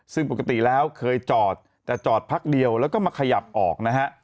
ซึ่งปกติแล้วเคยจอดแต่จอดพักเดียวแล้วก็มาขยับออกนะฮะ